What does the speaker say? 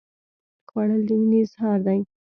خوړل د مینې اظهار دی